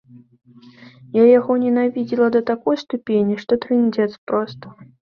Я яго ненавідзела да такой ступені, што трындзец проста!